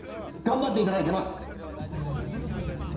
頑張っていただいてます！